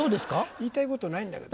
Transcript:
言いたいことないんだけどね。